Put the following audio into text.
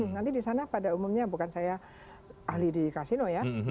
nanti di sana pada umumnya bukan saya ahli di kasino ya